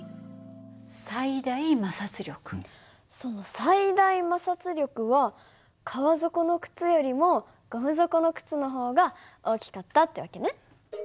その最大摩擦力は革底の靴よりもゴム底の靴の方が大きかったって訳ね。